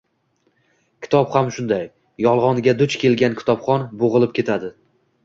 Kitob ham shunday. Yolg’onga duch kelgan kitobxon bo’g’ilib ketadi.